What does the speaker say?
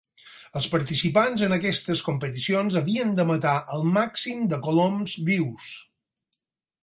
Els participants en aquestes competicions havien de matar el màxim de coloms vius.